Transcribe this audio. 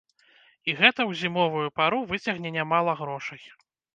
І гэта ў зімовую пару выцягне нямала грошай.